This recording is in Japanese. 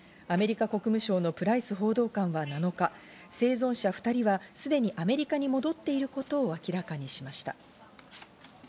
アメリカ国務省のプライス報道官は７日、生存者２人はすでにアメリカに戻っていることを明らかにしました。